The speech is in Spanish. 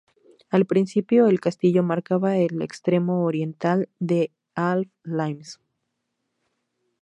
Al principio, el castillo marcaba el extremo oriental de Alb Limes.